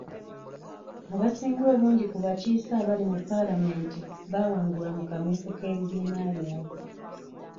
Abasinga obungi ku bakiise abali mu paalamenti baawangulwa mu kamyufu k'ebibiina byabwe.